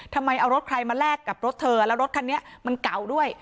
ทำไมเอารถใครมาแลกกับรถเธอแล้วรถคันนี้มันเก่าด้วย